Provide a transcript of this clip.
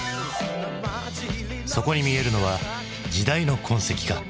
そこに見えるのは時代の痕跡か？